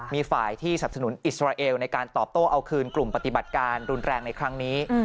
มีฝ่ายที่สับสนุนอิสราเอลในการตอบโต้เอาคืนกลุ่มปฏิบัติการรุนแรงในครั้งนี้